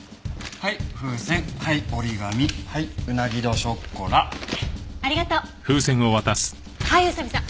はい宇佐見さん。